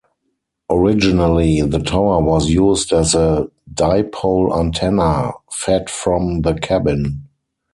Originally the tower was used as a dipole antenna, fed from the cabin.